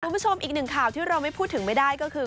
คุณผู้ชมอีกหนึ่งข่าวที่เราไม่พูดถึงไม่ได้ก็คือ